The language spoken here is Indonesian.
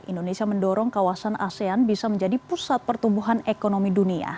indonesia mendorong kawasan asean bisa menjadi pusat pertumbuhan ekonomi dunia